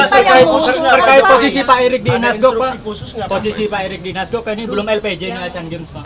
pak terkait posisi pak erick di nasgok pak posisi pak erick di nasgok ini belum lpj indonesia games pak